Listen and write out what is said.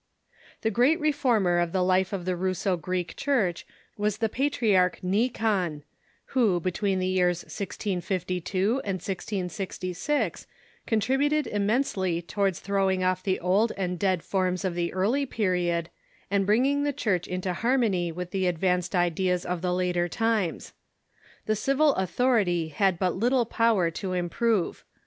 The great reformer of the life of the Russo Greek Church was the Patriarch Nikon, who, between the years 1652 and 1600, contributed immensely towards throwing off the old and dead forms of the early period, and bringing the Church into harmony with the advanced ideas of the later times. The civil authority had but little power to improve.